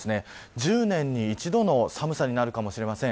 １０年に一度の寒さになるかもしれません。